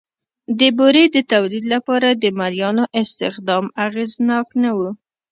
د بورې د تولید لپاره د مریانو استخدام اغېزناک نه و